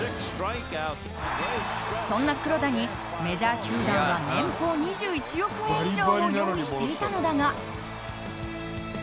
そんな黒田にメジャー球団は年俸２１億円以上も用意していたのだが。